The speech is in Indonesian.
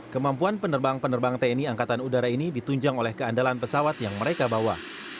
kemampuan penerbang penerbang tni angkatan udara ini ditunjang oleh keandalan pesawat yang mereka bawa